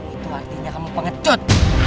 itu artinya kamu pengecut